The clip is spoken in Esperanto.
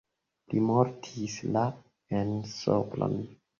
Li mortis la en Sopron.